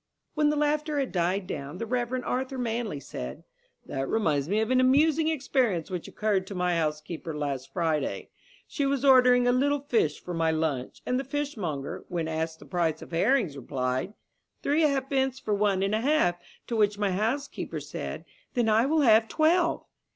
When the laughter had died down, the Reverend Arthur Manley said: "That reminds me of an amusing experience which occurred to my housekeeper last Friday. She was ordering a little fish for my lunch, and the fishmonger, when asked the price of herrings, replied, 'Three ha'pence for one and a half,' to which my housekeeper said, 'Then I will have twelve.'